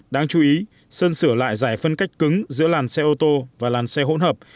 đáng chú ý sơn sửa lại giải phân cách cứng giữa làn xe ô tô và làn xe hỗn hợp